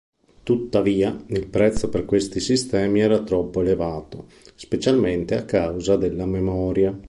Tuttavia, il prezzo per questi sistemi era troppo elevato, specialmente a causa della memoria.